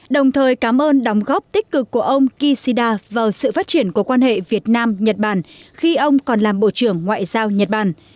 đồng thời cảm ơn đóng góp tích cực của ông kishida vào sự phát triển của quan hệ việt nam nhật bản khi ông còn làm bộ trưởng ngoại giao nhật bản